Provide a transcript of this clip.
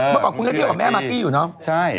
เมื่อก่อนคุณก็เที่ยวกับแม่มากกี้อยู่เนอะ